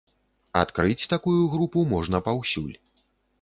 Адкрыць такую групу можна паўсюль.